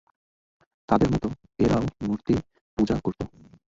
তাদের মত এরাও মূর্তি পূজা করত।